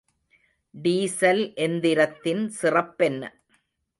Diesel எந்திரத்தின் சிறப்பென்ன?